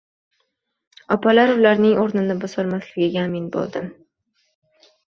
Opalar ularning o`rnini bosolmasligiga amin bo`ldim